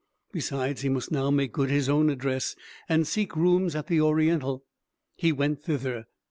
Besides, he must now make good his own address, and seek rooms at the Oriental. He went thither.